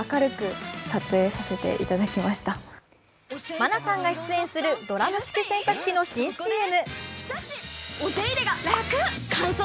愛菜さんが出演するドラム式洗濯機の新ＣＭ。